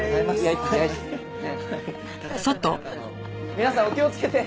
皆さんお気をつけて。